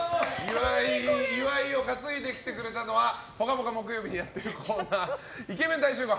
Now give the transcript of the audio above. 岩井を担いできてくれたのは「ぽかぽか」木曜日にやってるコーナーイケメン大集合！